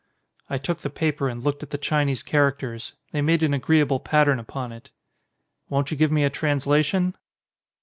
I took the paper and looked at the Chinese char acters. They made an agreeable pattern upon it. "Won't you also give me a translation?"